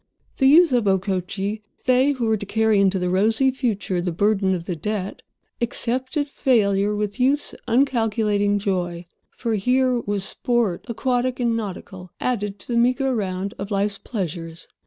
The youth of Okochee—they who were to carry into the rosy future the burden of the debt—accepted failure with youth's uncalculating joy. For, here was sport, aquatic and nautical, added to the meagre round of life's pleasures.